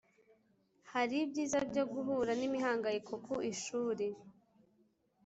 hari ibyiza byo guhura n’imihanganyiko ku ishuri